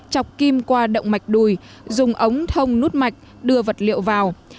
chọc kim qua động mạch đùi dùng ống thông nút mạch đưa vật liệu vào